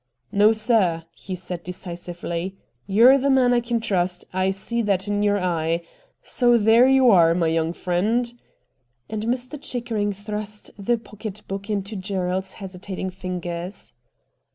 ' No, sir,' he said, decisively. ' You're the A STRANGE STORY 77 man I kin trust, I see that in yer eye. So there you are, my young friend.' And Mr. Chickering thrust the pocket book into Gerald's hesitating fingers.